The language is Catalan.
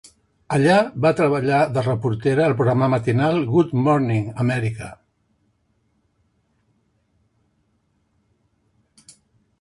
Allà va treballar de reportera al programa matinal "Good Morning America".